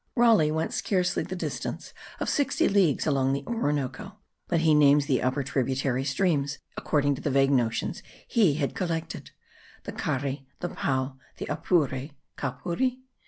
Raleigh went scarcely the distance of sixty leagues along the Orinoco; but he names the upper tributary streams, according to the vague notions he had collected; the Cari, the Pao, the Apure (Capuri?)